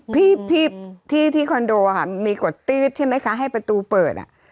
พี่ที่คอนโดค่ะมีกดตื๊ดใช่ไหมคะให้ประตูเปิดอ่ะ